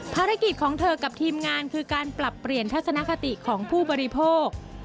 ภารกิจของเธอกับทีมงานคือการปรับเปลี่ยนทัศนคติของผู้บริโภค